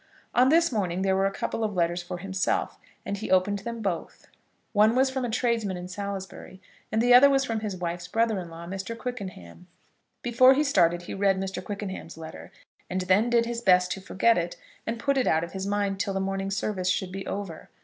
On this morning there were a couple of letters for himself, and he opened them both. One was from a tradesman in Salisbury, and the other was from his wife's brother in law, Mr. Quickenham. Before he started he read Mr. Quickenham's letter, and then did his best to forget it and put it out of his mind till the morning service should be over.